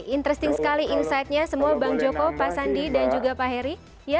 interesting sekali insightnya semua bang joko pak sandi dan juga pak heri